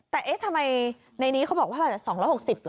แต่ทำไมในนี้เขาบอกว่า๒๖๐หรอ